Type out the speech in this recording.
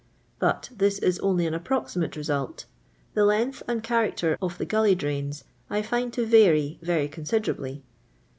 But this is only an approximate result The length and character of the gidly diains I find to vary very considerably.